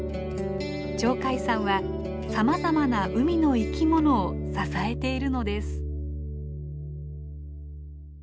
鳥海山はさまざまな海の生き物を支えているのです。